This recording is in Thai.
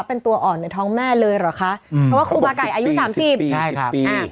เป็นตัวอ่อนในท้องแม่เลยเหรอคะเพราะว่าครูบาไก่อายุ๓๐ปี